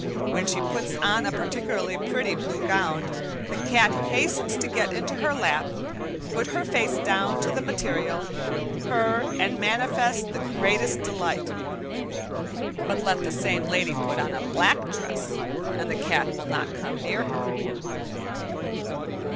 When she puts on a particularly pretty blue gown, the cat hastens to get into her lap, put her face down to the material, purr, and manifest the greatest delight; but let the same lady put on a black dress, and the cat will not come near her.